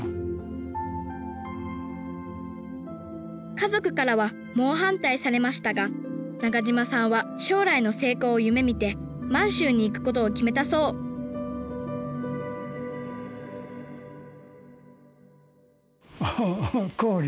家族からは猛反対されましたが中島さんは将来の成功を夢みて満州に行くことを決めたそうおお行李。